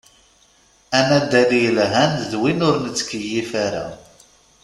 Anaddal yelhan d win ur nettkeyyif ara.